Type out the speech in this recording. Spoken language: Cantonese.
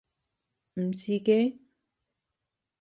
唔知驚？